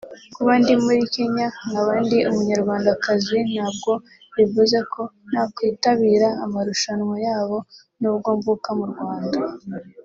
Kuba ndi muri Kenya nkaba ndi Umunyarwandakazi ntabwo bivuze ko ntakwitabira amarushanwa yabo nubwo mvuka mu Rwanda